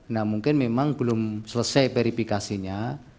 nah mungkin memang belum selesai verifikasinya